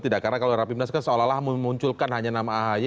tidak karena kalau rapimnas kan seolah olah memunculkan hanya nama ahy